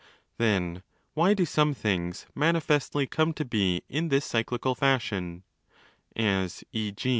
| Then why do some things maniféstly come to be in this cyclical fashion (as, e.